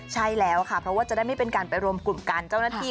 ใช่แล้วค่ะเพราะว่าจะได้ไม่เป็นการไปรวมกลุ่มกันเจ้าหน้าที่